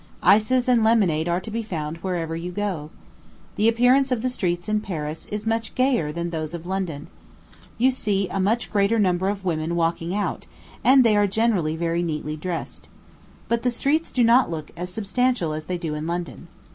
Ices and lemonade are to be found wherever you go. The appearance of the streets in Paris is much gayer than those of London. You see a much greater number of women walking out, and they are generally very neatly dressed. But the streets do not look as substantial as they do in London.